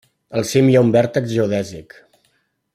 Al cim hi ha un vèrtex geodèsic.